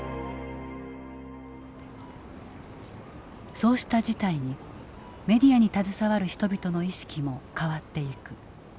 そうした事態にメディアに携わる人々の意識も変わっていく。